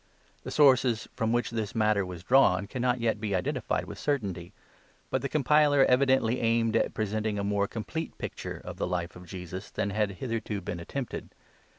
/The sources from which this matter was drawn cannot yet be identified with certainty ; but the compiler evidently aimed at presenting a more complete pic ture of the Life of Jesus than had hitherto been attempted.